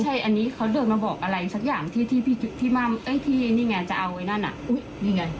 ใช่อันนี้เขาเดินมาบอกอะไรสักอย่างที่นี่ไงจะเอาไว้นั่นอ่ะอุ้ยนี่ไง